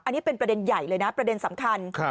อันนี้เป็นประเด็นใหญ่เลยนะประเด็นสำคัญ